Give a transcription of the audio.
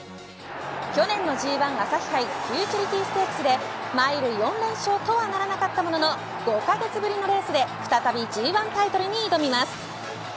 去年のＧ１朝日杯フューチュリティステークスでマイル４連勝とはならなかったものの５カ月ぶりのレースで再びＧ１タイトルに挑みます。